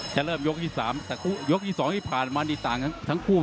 จะเริ่มยกที่๓แต่ยกที่๒ที่ผ่านมานี่ต่างทั้งคู่